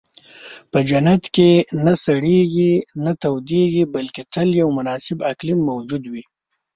په جنت کې نه سړېږي، نه تودېږي، بلکې تل یو مناسب اقلیم موجود وي.